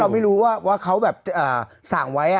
ไม่รู้ว่าเขาแบบสั่งไว้